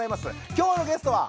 今日のゲストは！